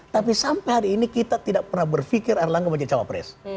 tapi sampai hari ini kita tidak pernah berpikir erlangga menjadi cawapres